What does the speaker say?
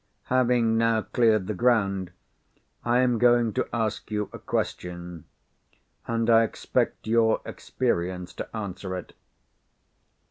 Having now cleared the ground, I am going to ask you a question; and I expect your experience to answer it.